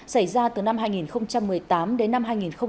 xảy ra từ năm hai nghìn một mươi tám đến năm hai nghìn hai mươi